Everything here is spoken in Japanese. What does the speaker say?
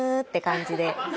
って感じで。